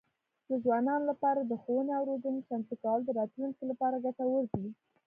د ځوانانو لپاره د ښوونې او روزنې چمتو کول د راتلونکي لپاره ګټور دي.